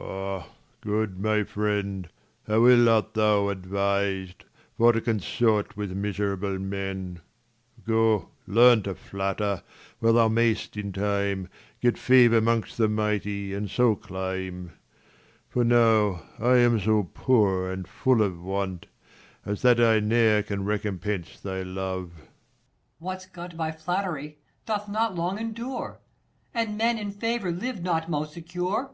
Ah, good my friend, how ill art thou ad vis' d, 55 For to consort with miserable men : |Go learn to flatter, where thou may'st in time 'Get favour 'mongst the mighty, and so climb : For now I am so poor and full of want, As that I ne'er can recompense thy love. 60 Per. What's got by flattery, doth not long endure ; And men in favour live not most secure.